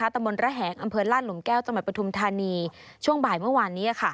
ตระบวนระแหงอำเภิญล่านหลวงแก้วจมัดประธุมธานีช่วงบ่ายเมื่อวานนี้